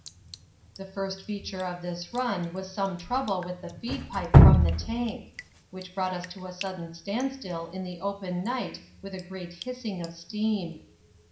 The first feature of this run was some trouble with a feed pipe from the tank, which brought us to a sudden standstill in the open night with a great hissing of steam.